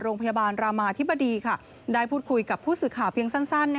โรงพยาบาลรามาธิบดีได้พูดคุยกับผู้สื่อข่าวเพียงสั้น